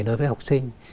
đối với học sinh